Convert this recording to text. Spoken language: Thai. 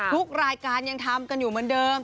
ทุกรายการยังทำกันอยู่เหมือนเดิม